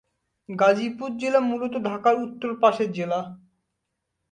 গাজীপুর জেলা মূলত ঢাকার উত্তর পাশের জেলা।